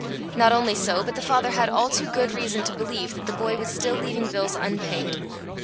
Not only so, but the father had all too good reason to believe that the boy was still leaving bills unpaid.